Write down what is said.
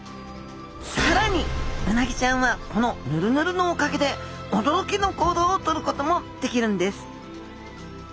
さらにうなぎちゃんはこのヌルヌルのおかげで驚きの行動をとることもできるんです！